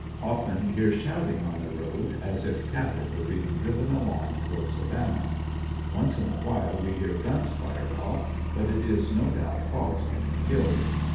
Often hear shouting on the road as if cat 150 FINAL ESCAPE, tie were being driven along toward Savannah. Once in a while we hear guns fired oJff, but it is no doubt hogs being killed.